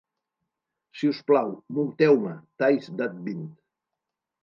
Si us plau, multeu-me, Ties That Bind.